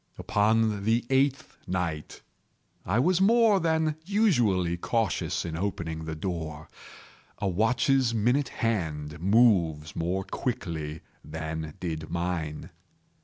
Upon the eighth night I was more than usually cautious in opening the door. A watch's minute hand moves more quickly than did mine.